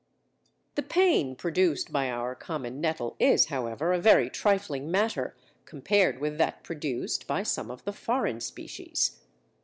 The pain produced by our common nettle is, however, a very trifling matter compared with that produced by some of the foreign species.